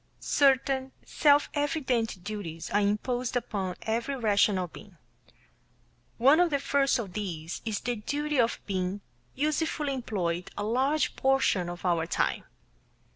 Certain self evident duties are imposed upon every rational being. One of the first of these is the duty of being usefully employed a large portion of our time.